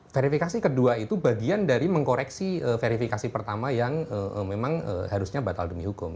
verifikasi kedua itu bagian dari mengkoreksi verifikasi pertama yang memang harusnya batal demi hukum